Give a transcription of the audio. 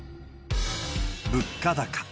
物価高。